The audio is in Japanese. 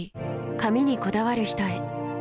髪にこだわる人へ。